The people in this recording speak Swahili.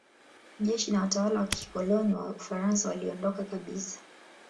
Jeshi na watawala wa kikoloni wa Ufaransa waliondoka kabisa.